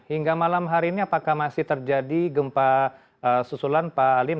hingga malam hari ini apakah masih terjadi gempa susulan pak alim